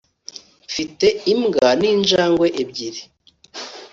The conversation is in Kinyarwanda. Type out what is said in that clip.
mfite imbwa ninjangwe ebyiri